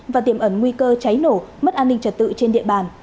và tiềm ẩn nguy cơ cháy nổ mất an ninh trật tự trên địa bàn